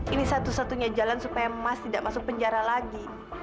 ini satu satunya jalan supaya mas tidak masuk penjara lagi